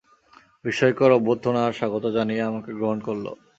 বিস্ময়কর অভ্যর্থনা আর স্বাগত জানিয়ে আমাকে গ্রহণ করল।